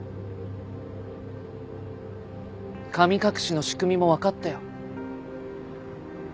神隠しの仕組みも分かったよ。